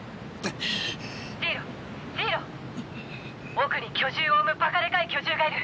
奥に巨獣を生むバカでかい巨獣がいる。